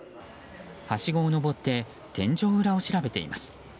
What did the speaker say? はしごを上って天井裏を調べています。